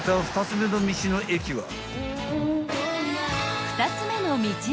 ［２つ目の道の駅は］